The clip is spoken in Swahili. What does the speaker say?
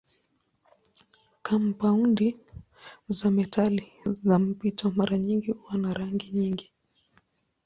Kampaundi za metali za mpito mara nyingi huwa na rangi nyingi.